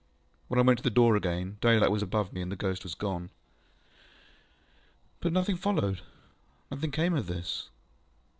When I went to the door again, daylight was above me, and the ghost was gone. ŌĆØ ŌĆ£But nothing followed? Nothing came of this?